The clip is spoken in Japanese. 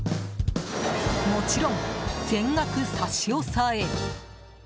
もちろん、全額差し押さえ。